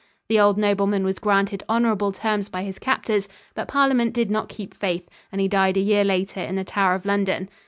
The old nobleman was granted honorable terms by his captors, but Parliament did not keep faith, and he died a year later in the Tower of London.